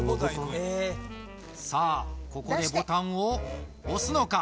さあここでボタンを押すのか？